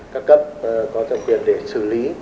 các cấp có thẩm quyền để xử lý